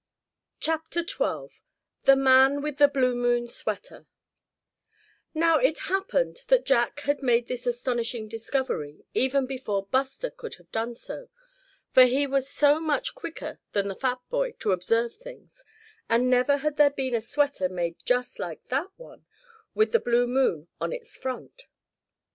CHAPTER XII THE MAN WITH THE BLUE MOON SWEATER Now, it happened that Jack had made this astonishing discovery even before Buster could have done so, for he was so much quicker than the fat boy to observe things, and never had there been a sweater made just like that one with the blue moon on its front.